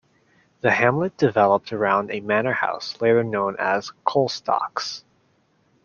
The hamlet developed around a manor house later known as Colstocks.